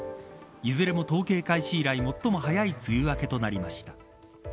いずれも、統計開始以来最も早い梅雨明けとなりました。